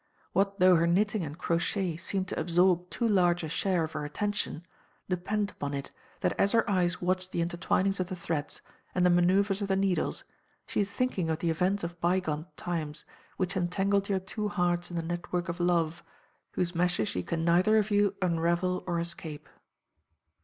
What though her knitting and crochet seem to absorb too large a share of her attention; depend upon it, that as her eyes watch the intertwinings of the threads, and the manoeuvres of the needles, she is thinking of the events of byegone times, which entangled your two hearts in the network of love, whose meshes you can neither of you unravel or escape.